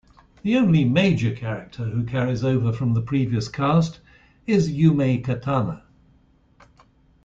The only major character who carries over from the previous cast is Yumei Katana.